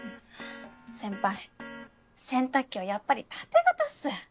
先輩洗濯機はやっぱり縦型っす。